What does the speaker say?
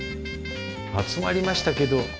集まりましたけど。